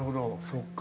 そっか。